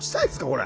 これ。